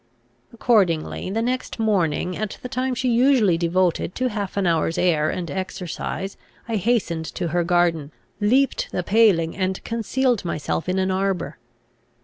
Accordingly, the next morning, at the time she usually devoted to half an hour's air and exercise, I hastened to her garden, leaped the paling, and concealed myself in an arbour.